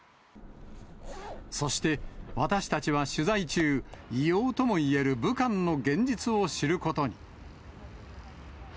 そして、私たちは取材中、異様ともいえる武漢の現実を知ることに。